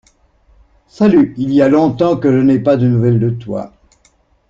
Salut, il y a longtemps que je n'ai pas de nouvelles de toi.